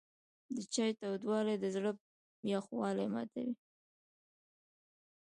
د چای تودوالی د زړه یخوالی ماتوي.